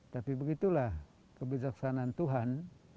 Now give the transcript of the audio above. tapi begitulah kebijaksanaan tuhan